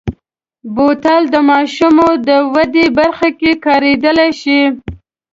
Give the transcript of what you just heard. بوتل د ماشومو د ودې برخه کې کارېدلی شي.